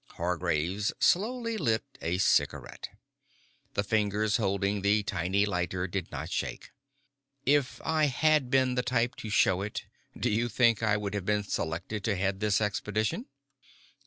Hargraves slowly lit a cigarette. The fingers holding the tiny lighter did not shake. "If I had been the type to show it, do you think I would have been selected to head this expedition?"